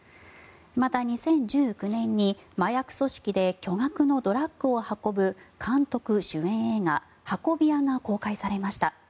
また、２０１９年に麻薬組織で巨額のドラッグを運ぶ監督主演映画「運び屋」が公開されました。